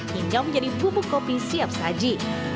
hingga menjadi bubuk kopi siap saji